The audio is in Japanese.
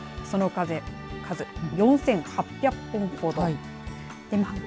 その数４８００本ほど。